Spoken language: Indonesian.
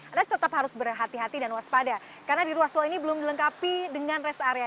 anda tetap harus berhati hati dan waspada karena di ruas tol ini belum dilengkapi dengan rest area